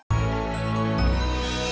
haris pasti tahu diri